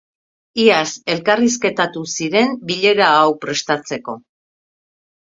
Iaz elkarrizketatu ziren bilera hau prestatzeko.